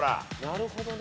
なるほどね。